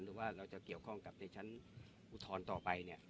หรือว่าเราจะเกี่ยวข้องกับในชั้นอุทธรณ์ต่อไปเนี่ย